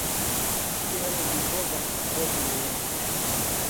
Tiel vi povas trovi min